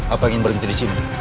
apa ingin berhenti disini